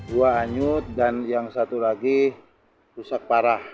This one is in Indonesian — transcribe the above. dua hanyut dan yang satu lagi rusak parah